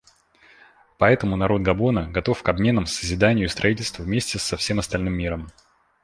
Поэтому народ Габона готов к обменам, созиданию и строительству вместе со всем остальным миром.